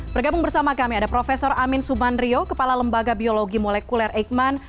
bergabung bersama kami ada prof amin subandrio kepala lembaga biologi molekuler eikman